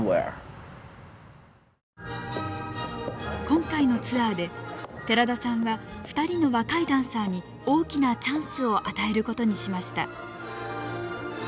今回のツアーで寺田さんは２人の若いダンサーに大きなチャンスを与えることにしました。